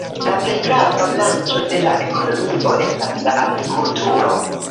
La plej grava branĉo de la ekonomio estas la agrikulturo.